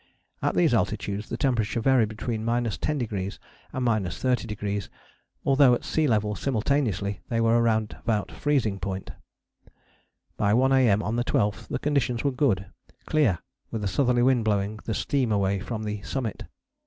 At these altitudes the temperature varied between 10° and 30°, though at sea level simultaneously they were round about freezing point. By 1 A.M. on the 12th the conditions were good clear, with a southerly wind blowing the steam away from the summit.